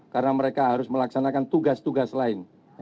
karena mereka harus melaksanakan tugas tugas lain